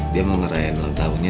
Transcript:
dia mau ngerayain ulang tahunnya